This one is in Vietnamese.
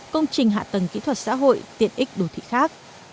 công trình hạ tầng kỹ thuật xã hội tiện ích đồ thị khác